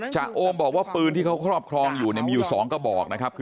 โอมบอกว่าปืนที่เขาครอบครองอยู่เนี่ยมีอยู่๒กระบอกนะครับ